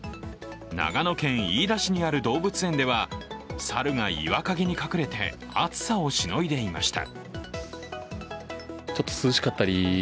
長野県飯田市にある動物園では猿が岩陰に隠れて、暑さをしのいでいました。